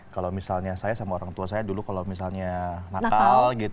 kalau misalnya saya sama orang tua saya dulu kalau misalnya nakal